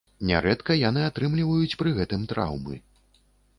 Нярэдка яны атрымліваюць пры гэтым траўмы.